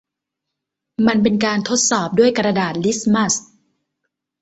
มันเป็นการทดสอบด้วยกระดาษลิตมัส